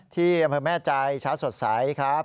ที่อำเภอแม่ใจเช้าสดใสครับ